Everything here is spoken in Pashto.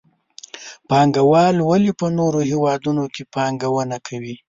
پانګوال ولې په نورو هېوادونو کې پانګونه کوي؟